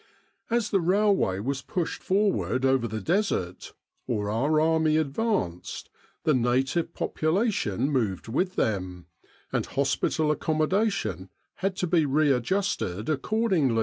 As the railway was pushed forward over the Desert, or our army advanced, the native population moved with them, and hospital accommodation had to be readjusted accordingly, 281 With the R.